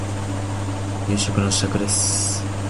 夕食の支度です。